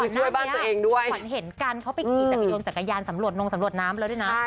ช่วยบ้านตัวเองด้วยก่อนเห็นกันเขาพี่ดูมจากกายยานสำรวจนมสำรวจน้ำแล้วด้วยนะ